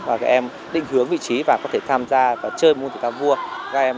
và các em định hướng vị trí và có thể tham gia và chơi môn thể thao vua